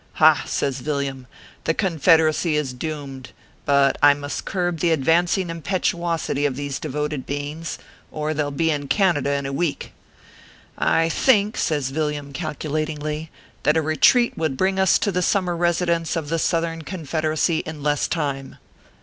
" Ha !" says Villiam, "the Confederacy is doomed; but I must curb the advancing impetuosity of these devoted beings, or they ll be in Canada in a week. I think," says Yilliam, calculatingly, " that a retreat would bring us to the summer residence of the South ern Confederacy in less time."